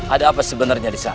ada apa sebenarnya di sana